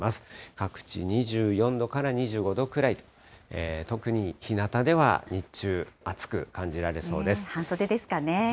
各地２４度から２５度くらい、特にひなたでは日中暑く感じられそうです。ですね。